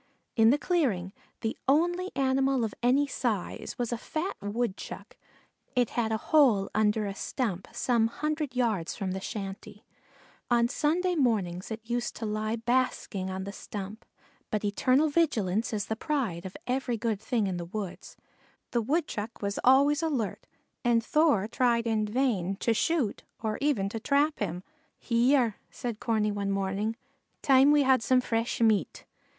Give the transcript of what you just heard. In the clearing, the only animal of any size was a fat Woodchuck; it had a hole under a stump some hundred yards from the shanty. On sunny mornings it used to lie basking on the stump, but eternal vigilance is the price of every good thing in the woods. The Woodchuck was always alert and Thor tried in vain to shoot or even to trap him. "Hyar," said Corney one morning, "time we had some fresh meat."